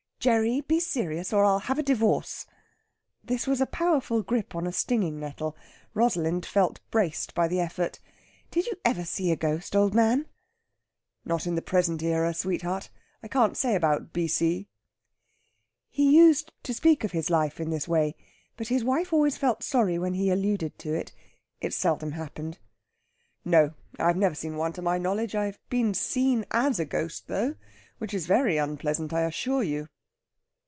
"Gerry, be serious, or I'll have a divorce!" This was a powerful grip on a stinging nettle. Rosalind felt braced by the effort. "Did you ever see a ghost, old man?" "Not in the present era, sweetheart. I can't say about B.C." He used to speak of his life in this way, but his wife always felt sorry when he alluded to it. It seldom happened. "No, I have never seen one to my knowledge. I've been seen as a ghost, though, which is very unpleasant, I assure you."